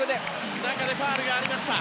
中でファウルがあった。